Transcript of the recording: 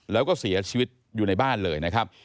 แล้วก็เสียชีวิตอยู่ในบ้านเลยนะครับ